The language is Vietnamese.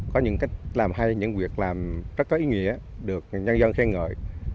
có những cách làm hay những việc làm rất có ý nghĩa được nhân dân khen ngợi